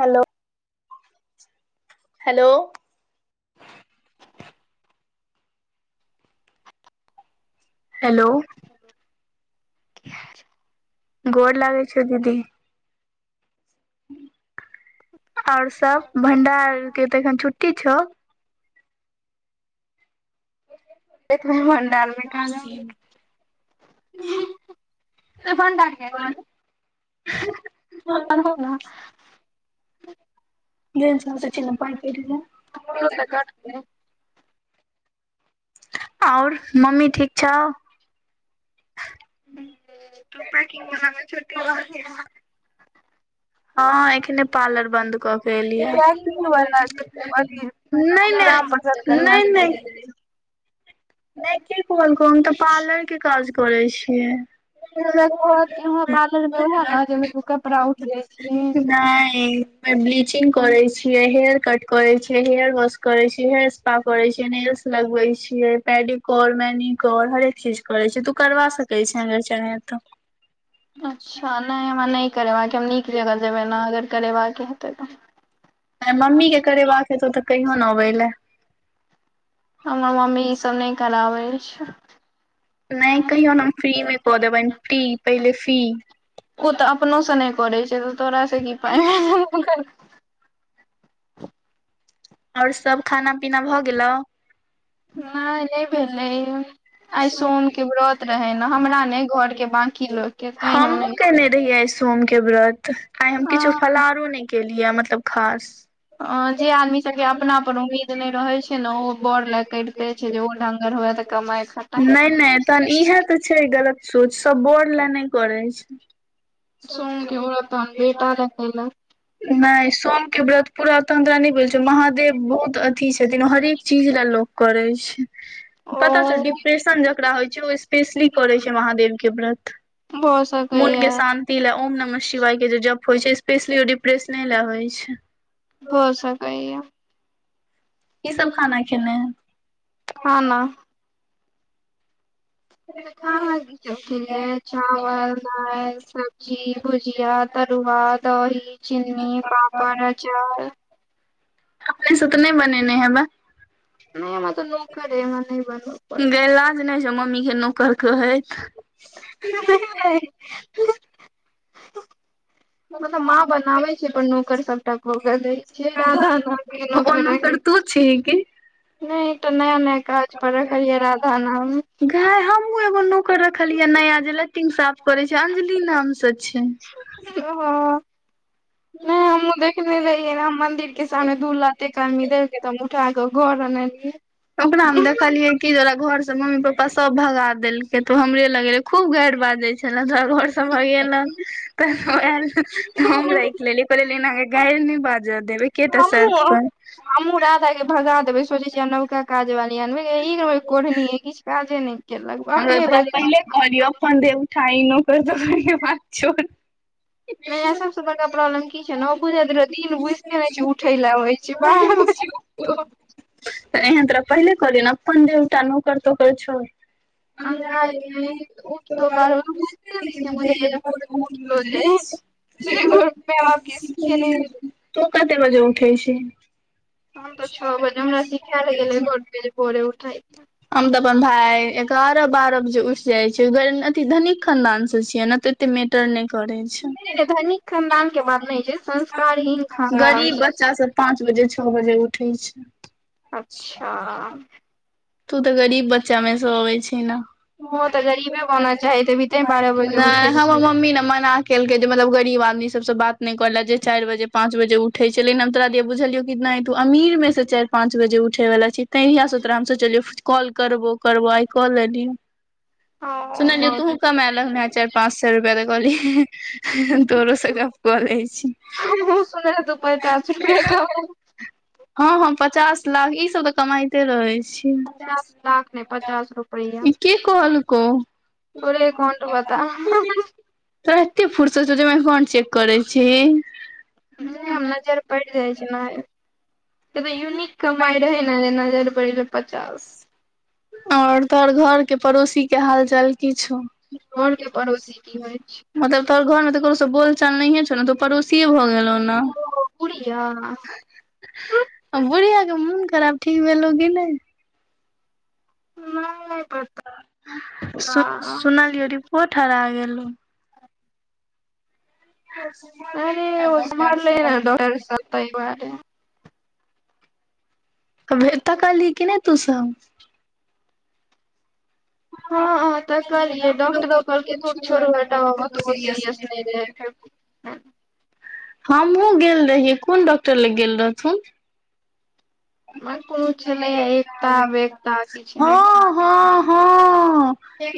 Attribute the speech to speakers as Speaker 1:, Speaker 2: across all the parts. Speaker 1: Hello hello hello गोड़ लागै छियो दीदी। और सब भंडार के तऽ एखन छुट्टी छौ।
Speaker 2: एखने भंडार में एकरा ल गेल त भंडार किये कहलै। अनहौ ना
Speaker 1: [unintelligible] और मम्मी ठीक छौ।
Speaker 2: [unintelligible]
Speaker 1: हँ एखने पार्लर बन्द कऽ के एलि यैं। नहि-नहि-नहि-नहि नहि के कहलकौ, हम तऽ पार्लर के काज करै छियै।
Speaker 2: गै हमरा कहत के हाँ पार्लर मे, उहें न जेमे तु कपड़ा उठबय छीहीं।
Speaker 1: ऐं नहि ब्लीचिंग करय छियै, हेयर कट करय छियै, हेयर वॉश करय छीयै, हेयर स्पा करय छीयै, नेल्स लगबै छियै। पेडीक्योर-मैनीक्योर हरेक चीज करय छियै तु करबा सकय छै, अगर चाहे त।
Speaker 2: नय हमरा नय करेबाक य, हम नीक जगह जेबै ने अगर करेबाके हेतै त।
Speaker 1: भाय मम्मी के करेबाक हेतो त कहियोन अबय लै।
Speaker 2: हमर मम्मी ईसब नहि कराबै छै।
Speaker 1: नहि कहियोन हम फ्री मे कऽ देबनि, फ्री पहिले फ्री।
Speaker 2: ओत अपनोसँ नय करैय छै, तऽ तोरासँ की पाइ [unintelligible]
Speaker 1: और सब खाना पीना भ गेलो।
Speaker 2: नहि-नहि भेलय यऽ। आइ सोनके व्रत रहय न, हमरा नहि घरके बाँकी लोकके तैं हम नहि,
Speaker 1: रहियाइ सोम के व्रत, आइ हम किछो
Speaker 2: हँ
Speaker 1: फलहारो नहि केलियै मतलब खास
Speaker 2: औ जे आदमी सबके अपनापर उम्मीद नहि रहय छय न, ओ बौर लै करिते छै जे ओ ढंगर हुये त कमाइ खटाइ
Speaker 1: नहि-नहि तहन इहे तऽ छै गलत सोच, सब बौर ले नहि करय छय।
Speaker 2: सोमके ब्रत तहन बेटा लै कैलक।
Speaker 1: नहि सोम के व्रत पूरा तहन तोरा नहि बुझल छौ, महादेव बहुत अ अथी छथिन, हरेक चीज लै लोक करै छै,
Speaker 2: ओ
Speaker 1: पता छौ डिप पेंशन जकरा होइ छै, ओ स्पेशली करै छै महादेव के व्रत,
Speaker 2: भऽ
Speaker 1: मोन
Speaker 2: सकैया
Speaker 1: के शां तिं लए ओम नमः शिवाय के जप होइ छै, स्पेशली ओ डिप्रेशने लए होइ छै।
Speaker 2: भ सकै यऽ।
Speaker 1: कि सब खाना खेलै।
Speaker 2: खाना एत्त ठाहल की छथीन यैं, चावल, दालि, सब्जी भुज भुजीया, तरुआ, दही, चीन्नी, पापड़, अचार
Speaker 1: अपने स त नहि बनेने हैबा।
Speaker 2: नै हमरा त नोकर अइ हमरा नय बन
Speaker 1: गय लाज नहि होय छौ मम्मी के नौकर कहैत।
Speaker 2: [unintelligible]
Speaker 1: हठ
Speaker 2: मतलब माँ बनाबे छै पर नोकर सबटा क क दैय छै राधा नाम के
Speaker 1: ओ
Speaker 2: नोकर अइ।
Speaker 1: और तू छीही कि?
Speaker 2: नइ एकटा नया नया काज करखलिया राधा नाम
Speaker 1: गय हमहूँ एगो नौकर रखलियै नया जे लेटीग साफ करे छै अंजलि नाम स छै।
Speaker 2: ओहो।
Speaker 1: ह
Speaker 2: हमहुँ देखने रहियै राम मंदिर के सामने दू लात एक आदमी देखके तऽ हम उठाक घर अनलिये।
Speaker 1: ओकरा हम देखलियै कि ओकरा घर से मम्मी पप्पा सब भगा देलकै तो हमरे लग ऐल खूब गाइरि बाजे छले ओकेरा घर सब स भगेलक त हम राइ लेली कहलिये गाइर नहि बाजऽ देबे एके टा शर्त
Speaker 2: हमहुँ
Speaker 1: पर।
Speaker 2: हमहुँ राधा के भगा देबे सोचेय छिये नवका काज वाली अनबय एक नंबर के कोढ़नी किछु काजे नै केलक
Speaker 1: हम
Speaker 2: अपने
Speaker 1: तोरा पहिले
Speaker 2: [unintelligible]
Speaker 1: कहलियौ अपन दे उठाइ नोकर तोकर के बात छोर।
Speaker 2: सबसँ बड़का प्रॉब्लम की छै न ओ बुझित र दिन बुझते नय छै उठै लए अइछ बारह बजे उ तऽ
Speaker 1: तऽ एहन तोरा पहिले कहलियौ ने अपन दुनू टा नोकर तोकर छोर।
Speaker 2: [unintelligible] [unintelligible] माए बाप किछ सीखेनेहे नय छै।
Speaker 1: तु कते बजे उठै छिही?
Speaker 2: हम तऽ छओ बजे हमरा सिखायल गेलै घरमे जे भोरे उठै
Speaker 1: [unintelligible] हम तऽ अपन भाय इगार बार बजे उठि जाइ छीये अथ धनिक खानदान से छियै ने तऽ एते मे टर नै करैय छै
Speaker 2: नहि धनिक खानदान के बात नहि छै संस्कारहीन खानदान
Speaker 1: गरीब बच्चा सब पाँच बजे छ बजे उठै छै।
Speaker 2: अच्छा।
Speaker 1: तू तऽ गरीब बच्चा मे से अबै छी ना।
Speaker 2: तुहो तऽ गरीबे बना चाहैत हेभी तें बारह बजे उठै छी।
Speaker 1: हमर मम्मी ना मना केलकै जे मतलब गरीब आदमी सबसँ बात नहि करले जे चारि बजे पाँच बजे उठे छै लेकिन हम तोरा दिया बुझलियौ की नहि तू अमीर में से चारि पाँच बजे उठेवालला छी तहिया स हम तोड़ा सोचलियौ कॉल करबो करबो आइ कऽ लेलियौ।
Speaker 2: ओ।
Speaker 1: सुनलियौ तुहु कमए लगला चारि पाँंच सा रुपआ तऽ कहलिय तोरो से गप कऽ लै छी। ह
Speaker 2: सुनलूआ तू पचास रुपआ क ह
Speaker 1: हँ हम पचास लाख ई सब तऽ कमाते रहे छी।
Speaker 2: पचास लाख नै पचास रुपैया।
Speaker 1: ई के कहलकौ
Speaker 2: तोरे एकाउंट बता
Speaker 1: तोरा एते फुर्सत छौ जे हमर एकाउंट चेक करै छीही।
Speaker 2: हम नजर पड़ि जाइ छै ने से तऽ यूनिक कमाइ रहै ने नजर पड़ छै पचास।
Speaker 1: और तोहर घर के पड़ोसी के हालचाल किछु?
Speaker 2: घरके पड़ोसी [unintelligible] की होइत छै
Speaker 1: मतलब तोहर घर मे तकरो सब बोलचाल नहिे छौ ने तो पड़ोसीे भऽ गेलौ ने।
Speaker 2: ओ बुढ़िया।
Speaker 1: आ बुढ़िया के मोन खराब ठीक भेलो की नहि।
Speaker 2: नहि बता
Speaker 1: सु सुनलियए रिपोर्ट हरा गेलै। हँ
Speaker 2: करे ओस मले ने डाक्टर सत बार परिवारे
Speaker 1: भे त कह ली किी नहि तूस
Speaker 2: हँ
Speaker 1: र
Speaker 2: तऽ कहलियै डॉक्टरो कहलकै दूर
Speaker 1: छ ल
Speaker 2: छोड़ू हटाउ आब
Speaker 1: [unintelligible]
Speaker 2: ओतबो
Speaker 1: सीरस
Speaker 2: सीरियस रहै
Speaker 1: नहि
Speaker 2: फेर
Speaker 1: हमहुँ गेल रहियै कोन डॉक्टर लग गेल रहथुन?
Speaker 2: कोनो छलैया एकता बेता किछ।
Speaker 1: हँ हँ हँ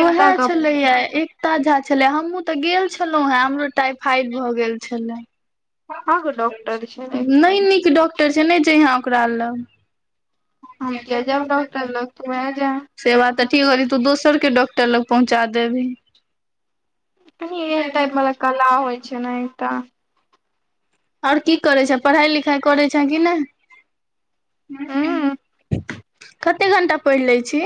Speaker 2: एकता
Speaker 1: उएह
Speaker 2: के
Speaker 1: छलैये एक त झा छलै हमहुूँ तऽ गेल छलहुँ हेँ हमरो टाइफाइड भऽ गेल छलै।
Speaker 2: आगल
Speaker 1: नहि नीक डॉक्टर छै नहि छै यहाँ ओकरा ल [unintelligible]
Speaker 2: हम किया जायब डॉक्टर लग तू आ जा
Speaker 1: सेवा तऽ ठीक हो तऽ दोसरके डॉक्टर लग पहुँचा देबही।
Speaker 2: एहन टाइप वालला कला होइ छै ने एकटा।
Speaker 1: आओर की करै छ पढ़ाइ लिखाई करै छ किी
Speaker 2: हूँ
Speaker 1: नहि। [unintelligible] कते घंटा पढ़ि लै छी?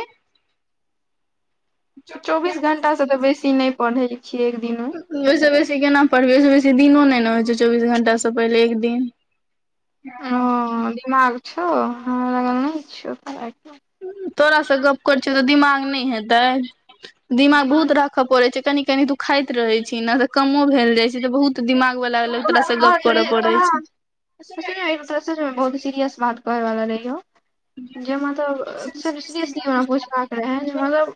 Speaker 2: चौबीस घण्टासँ तऽ बेसी नहि पढ़ै छियै एकदिनू।
Speaker 1: ओहिसँ बेसी केना पढ़बै ओहिस बेसी दिनो नहि ने होइ छै चौबीस घंटासँ पहिले एक दिन ह
Speaker 2: ह दिमाग छ ह ल इ छ
Speaker 1: तोराासँ गप कर छियौ तऽ दिमाग नहि हेतै। दिमाग बहुत राखऽ पड़े छै कनी कनी दुूखाइत रहे छी ने त कमो भेल जाय छै तऽ बहुत दिमाग। वाला लग
Speaker 2: तो
Speaker 1: तोरा से गप
Speaker 2: तर
Speaker 1: करऽ पड़ै छै
Speaker 2: [unintelligible] बहुत सीरियस बात घर वाला नहिी हो जे मतलब सफ इसलिसलिए ओना पहुछ क कर रहे है मतलब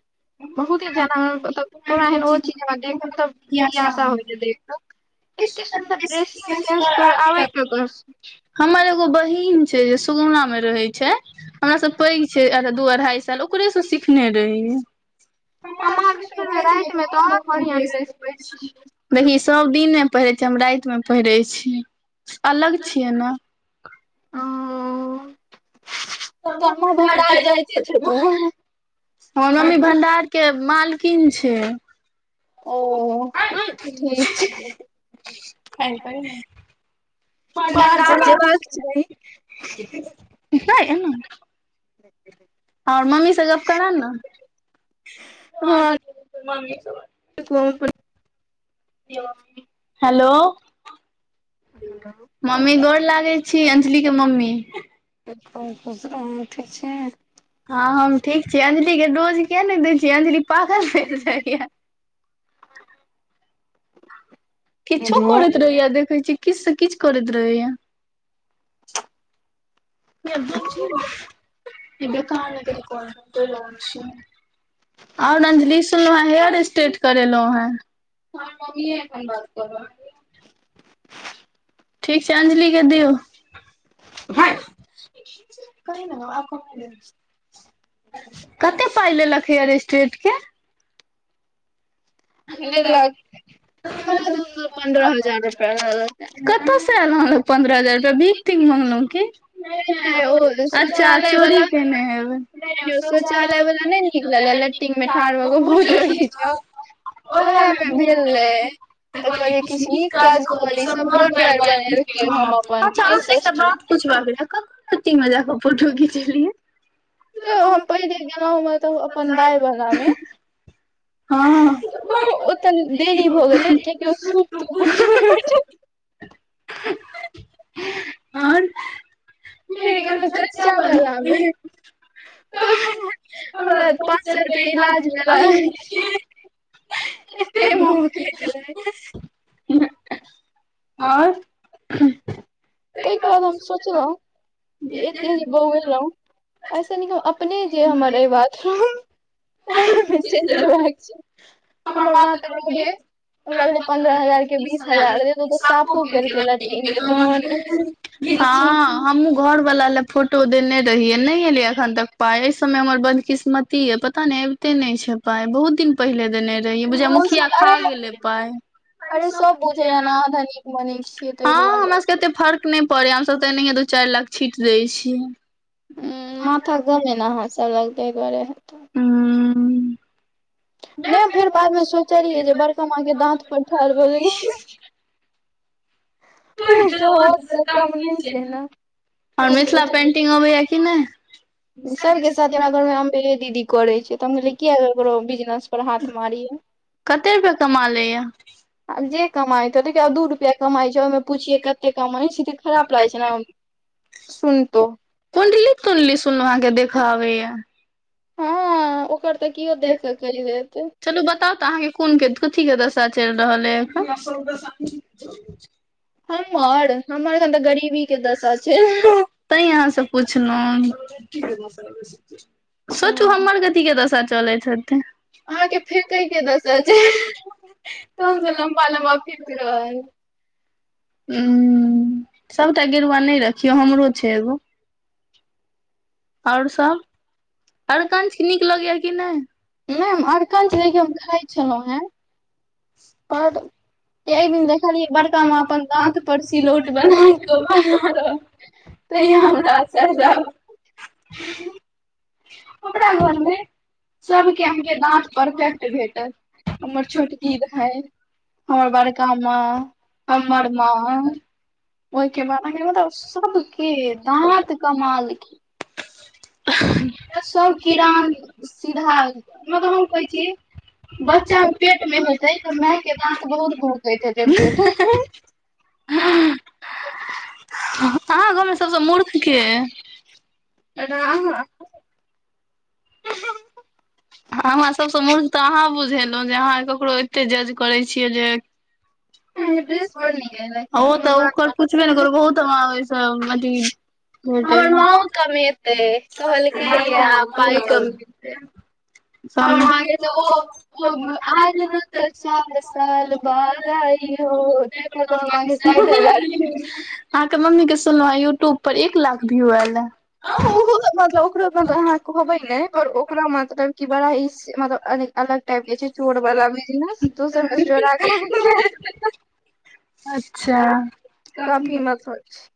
Speaker 2: बहुत ही जना मतलब तोरा एहन ओ चीज देख मतब जिज्ञासा होइय देख कऽ अतेक सुन्दर ड्रेसिंग सेन्स तो आबै ने को।
Speaker 1: हमर एगो बहिन छै जे सुगुना मे रहे छै हमरा सब पैघ छै दू अढ़ाई सए। च ओकरे से सिखने रहिय। [unintelligible]
Speaker 2: कमाल
Speaker 1: सुर
Speaker 2: सुनमे राति मे तऽ
Speaker 1: ब
Speaker 2: आओर बढ़ियां ड्रेस पहिरै छी
Speaker 1: देखी सभ दिनमे पहिरै छिय हम रातिमे पहिरै छी अलग छियै ने।
Speaker 2: ह त अमे भ्डार जइकेे छ तू
Speaker 1: हमर मम्मी भं्डार के मालकिन छै। ओ
Speaker 2: ठीक छै
Speaker 1: [unintelligible] ह त पडार [unintelligible] नहि
Speaker 2: जठ ज
Speaker 1: आओर मम्मी सब गप कर ने आर मम्मी सभ हन।
Speaker 2: [unintelligible] क
Speaker 1: हेलो
Speaker 2: हलो।
Speaker 1: मम्मी गोर लागै छी अंजलीके मम्मी।
Speaker 2: [unintelligible] ठीक छैय।
Speaker 1: हँ हम ठीक छी। अंजलीके डोज किये नै दै छियै अंजली पागल भेल जाइयऽ। किछो करैत रहैया देखै छी किछ से किछ करैत रहैया। [inaudible] ओर अंजली सुनलौं हेँ हेयर स्ट्रेट करेलौं हें। ठीक छैय अंजलीके दियौ। कही ने आ [inaudible] कते पाइ लेलक हेयर स्ट्रेटके।
Speaker 2: देलक नहि तऽ हम अपन पन्द्रह हजार रुपया लऽ लेब
Speaker 1: कतऽ स ल अनलौं पन्द्रह हजार रुपया भीख तीख मगलौं की।
Speaker 2: नहि ओ
Speaker 1: अच्छा
Speaker 2: शौचालय
Speaker 1: चोरी
Speaker 2: वाला
Speaker 1: केने हेबय।
Speaker 2: शौचालय वाला नहि नीक लगलै लैट्रिन मे ठाढ़ भऽ कऽ फोटो घिचाउ ओएह
Speaker 1: ओहेमे
Speaker 2: मे
Speaker 1: भेल
Speaker 2: रहे
Speaker 1: रहय। त
Speaker 2: तऽ
Speaker 1: कहलियए
Speaker 2: कहलियै
Speaker 1: किछ
Speaker 2: किछु
Speaker 1: नीक काज क ली।
Speaker 2: कऽ सब घर दुआरि बनेलखिन हम अपन के श्रेष्ठ तऽ
Speaker 1: पुछबाक रहे कतऽ तीन हजार क फोटो घिचेलियै।
Speaker 2: त हम पहिने गेलौं मतलब अपन दाय बलामे
Speaker 1: हँ।
Speaker 2: त ओ ओतऽ देरी भ गेलै कियेकि ओ सूप तूप बुक रहय छैय।
Speaker 1: तहन।
Speaker 2: गेलहुँ
Speaker 1: [inaudible]
Speaker 2: चच्चा वाला मे तऽ
Speaker 1: तहन
Speaker 2: पाँच सए रुपआ इलाज
Speaker 1: हमरा
Speaker 2: भेला
Speaker 1: [unintelligible]
Speaker 2: एते मुँह होकैत रहे
Speaker 1: [inaudible] आर।
Speaker 2: तयके बाद हम सोचलौं एते जे बौेएलौं ऐसे नीक हम अपने जे हमर अय बाथरूम ओहे मे चैल जेबाक चाही।
Speaker 1: हमर [unintelligible]
Speaker 2: ओकरा भेलै
Speaker 1: पन्द्रह हजार से
Speaker 2: के
Speaker 1: बीस हजार
Speaker 2: दे दो तऽ साफो करिके लैट्रिन के तहन
Speaker 1: [unintelligible]
Speaker 2: किछु
Speaker 1: हँ। हमु घर वला ले फोटो देने रहियै नै एलय अखन तक पाय अय सबमे हमर बदकिस्मत की ये पता नै अबिते नै छैय पाय बहुत दिन पहिले देने रहियै बुझाइयै मुखिया खा
Speaker 2: अरे
Speaker 1: गेलै पाय।
Speaker 2: अरे
Speaker 1: हँ
Speaker 2: सब बुझैया ने आहाँ धनिक मनिक छियै ताहि दुआरे
Speaker 1: हमरा सबके एते फर्क नै पड़ैये हमसब त एनहिये दू चाइर लाख छीट दै छियै।
Speaker 2: ह माथा कम अयने अहाँ सब लग तै दुआरे हेतै।
Speaker 1: हूँ
Speaker 2: नै फेर बादमे सोचलियै जे बड़का माँके दाँत पर ठाढ़ भ जइयै। एकटा औरत से कम नहि छै ने
Speaker 1: और
Speaker 2: फेर
Speaker 1: मिथिला पेन्टिंग अबैया कि नै।
Speaker 2: सभके सती हमरा घरमे अमबेये दीदी करै छैय त हम कहलियै किए केकरो बिजनेसपर हाथ मारियै।
Speaker 1: कते फेर कमा लैया।
Speaker 2: आब जे कमाइत हो देखियौ आब दू रुपया कमाइ छैय ओयमे पुछियै कते कमाई छैय त खराप लागै छैय ने, सुनतौ।
Speaker 1: कुण्डली-तुणडली सुनलौं अहाँके देखऽ आबैया।
Speaker 2: हँ ओकर त केओ देख क कहि देतै।
Speaker 1: त अहाँके कोनके कथीके दशा चइल रहल अय अखन।
Speaker 2: हमर हमर अखन त गरीबीके दशा चैल रहल।
Speaker 1: तैं अहाँ से पुछलउं सोचु
Speaker 2: हँ
Speaker 1: हम्मर कथि के दस त चलै छथिन। हँ
Speaker 2: अहाँके
Speaker 1: र प
Speaker 2: फेकै के दशा छै
Speaker 1: नहि
Speaker 2: तहन से लम्बा लम्बा फेक
Speaker 1: ब
Speaker 2: रहल
Speaker 1: [inaudible] उं सबटा गेरुवा नै रखियौ हमरो छै एगो। और सब अरकन्च नीक लगैयऽ कि नै?
Speaker 2: नै हम अरकंच लेकिन हम खाइ छलौं हें पर एइ बेर देखलियै बड़का माँ अपन दाँत पर सिलौट बनेए कऽ तांइ हमरा असरधा
Speaker 1: ओकरा
Speaker 2: हमरा
Speaker 1: मोन
Speaker 2: घर
Speaker 1: मे
Speaker 2: सबके अहाँके दाँत परफेक्ट भेटत हमर छोटकी की रहै हमर बड़का माँ हम्मर माँ ओहिके बाद एकर मतलब सबके दाँत कमाल के
Speaker 1: लस
Speaker 2: सब
Speaker 1: किरान सीधा
Speaker 2: मतलब
Speaker 1: मगर
Speaker 2: हम
Speaker 1: कहे
Speaker 2: कहै
Speaker 1: छी बच्चा मे पे [inaudible]
Speaker 2: पेट हेतै तऽ माय के दाँत बहुत भोकैत हेतै पेट मे
Speaker 1: [inaudible] अहाँ गाँव मे सब सॅं मूर्ख के अइ?
Speaker 2: [inaudible]
Speaker 1: हमरा सभ सँ मूर्ख तऽ अहाँ बुझेलौं जे अहाँ ककरो एते जज करै छियै जे [unintelligible]
Speaker 2: ड्रेस बड़ नीक अय
Speaker 1: हॅं ओ तऽ ओकर पुछबे ने करू बहुत हमरा ओइसे
Speaker 2: हमर माँओ कमेतै कहलकैए पाइ कम हँ हमर मां के तऽ ओ
Speaker 1: अहाँके
Speaker 2: ओ आज न तऽ चार साल बाद आइौ [inaudible] कर साठि हजार [unintelligible]
Speaker 1: अहाँ के मम्मी के सुनलहु ए यूट्यूब पर एक लाख व्यू एयल ए।
Speaker 2: अहूं ओहो मतलब ओकरो मतलब अहाँ कहबै नै पर ओकरा मतलब कि बड़ा ई स मतलब अलग- अलग टाइप के छै चोर बला बिजनेस दोसर से चोरा के
Speaker 1: अच्छा।
Speaker 2: काफी मत [unintelligible] होब छै।